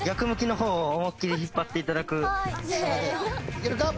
行けるか？